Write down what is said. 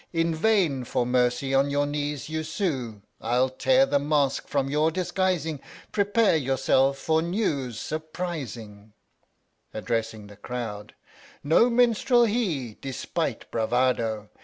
In vain for mercy on your knees you sue I'll tear the mask from your disguising, Prepare yourselves for news surprising (addressing the crowd] No minstrel he, despite bravado